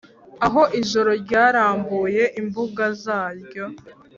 Aho ijoro ryarambuye imbuga zaryo